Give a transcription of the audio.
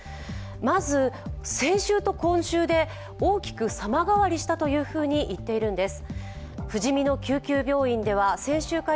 まず先週と今週で多きく様変わりしたというふうにいっているんです。